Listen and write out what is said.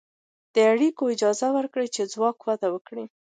دا اړیکې اجازه ورکوي چې ځواکونه وده وکړي.